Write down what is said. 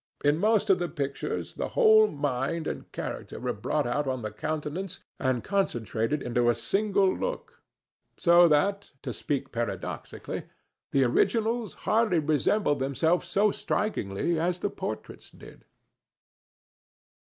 In most of the pictures the whole mind and character were brought out on the countenance and concentrated into a single look; so that, to speak paradoxically, the originals hardly resembled themselves so strikingly as the portraits did.